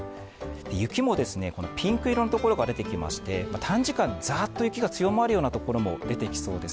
雪もピンク色のところが出てきまして、短時間にザッと雪が強まるようなところも出てきそうです。